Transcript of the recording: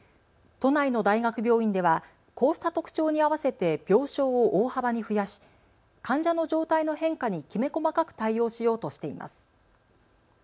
都内の大学病院では、こうした特徴に合わせて病床を大幅に増やし患者の状態の変化にきめ細かく対応しようとしています。